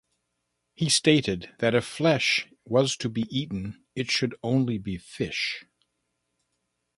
He stated that if flesh was to be eaten it should only be fish.